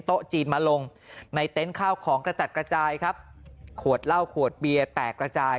โต๊ะจีนมาลงในเต็นต์ข้าวของกระจัดกระจายครับขวดเหล้าขวดเบียร์แตกระจาย